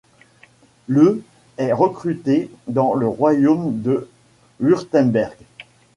Le est recruté dans le royaume de Wurtemberg.